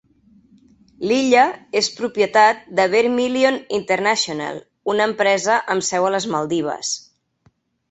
L'illa és propietat de Vermilion International, una empresa amb seu a les Maldives.